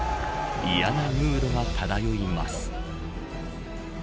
嫌なムードが漂います。